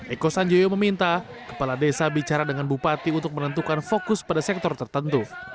eko sanjoyo meminta kepala desa bicara dengan bupati untuk menentukan fokus pada sektor tertentu